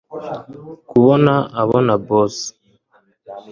kubona abona boss